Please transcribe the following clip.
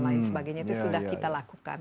dan lain sebagainya itu sudah kita lakukan